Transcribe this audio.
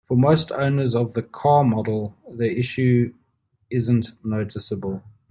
For most owners of the car model, the issue isn't noticeable.